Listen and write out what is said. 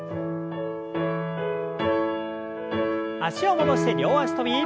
脚を戻して両脚跳び。